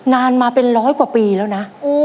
นานมาเป็นร้อยกว่าปีแล้วนะ